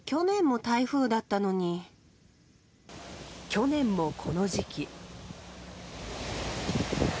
去年も、この時期。